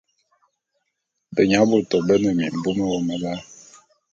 Benyabôtô bé ne mimbu mewôm lal.